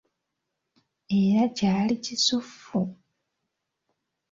Era kyali kisuffu!